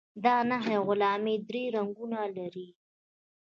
دا نښې او علامې درې رنګونه لري.